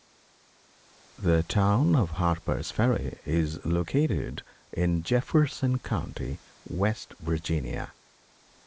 _ The town of Harper's Ferry is located in Jefferson County, West Virginia.